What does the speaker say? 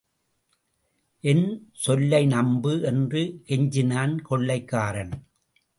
என் சொல்லை நம்பு... என்று கெஞ்சினான் கொள்ளைக்காரன்.